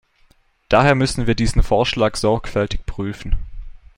Daher müssen wir diesen Vorschlag sorgfältig prüfen.